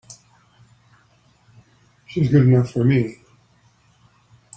She's good enough for me!